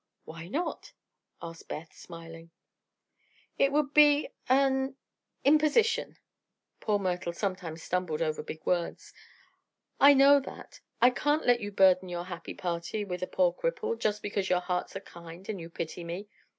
"Why not?" asked Beth, smiling. "It would be an impersition!" Poor Myrtle sometimes stumbled over big words. "I know that. I can't let you burden your happy party with a poor cripple, just because your hearts are kind and you pity me!"